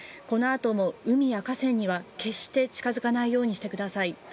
このあとも海や河川には決して近づかないようにしてください。